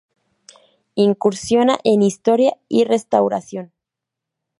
Incursiona en historia y restauración.